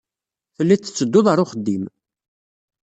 Tellid tetteddud ɣer uxeddim.